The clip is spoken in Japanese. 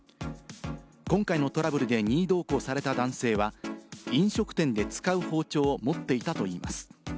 今回のトラブルで任意同行された男性は飲食店で使う包丁を持っていたといいます。